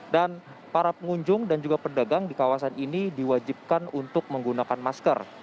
dan para pengunjung dan juga pedagang di kawasan ini diwajibkan untuk menggunakan masker